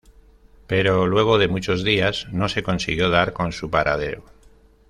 Pero luego de muchos días, no se consiguió dar con su paradero.